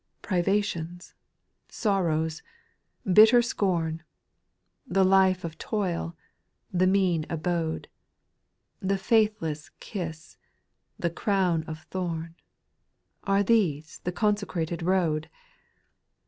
2. Privations, sorrows, bitter scorn, The life of toil, the mean abode, The faithless kiss, the crown of thorn, — Are these the consecrated road